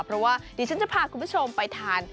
เพราะว่าดิฉันจะพาคุณผู้ชมไปทาน